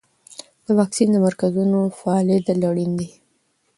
د واکسین د مرکزونو فعالیدل اړین دي.